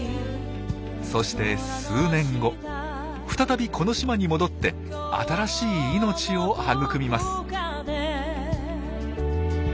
そして数年後再びこの島に戻って新しい命を育みます。